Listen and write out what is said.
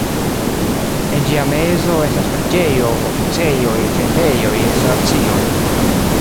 En ĝia mezo estas preĝejo, oficejoj, vendejoj, restoracioj.